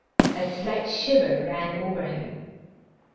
A slight shiver ran over him.